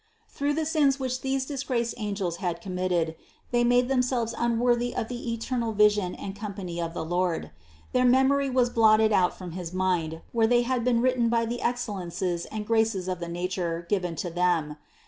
Through the sins which these disgraced angels had com THE CONCEPTION 107 mitted, they made themselves unworthy of the eternal vision and company of the Lord. Their memory was blotted out from his mind, where they had been written by the excellences and graces of the nature given to them.